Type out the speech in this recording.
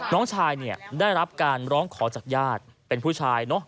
น้องชายเนี่ยได้รับการร้องขอจากญาติเป็นผู้ชายเนอะ